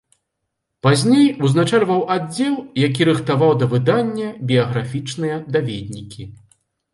Пазней узначальваў аддзел, які рыхтаваў да выдання біяграфічныя даведнікі.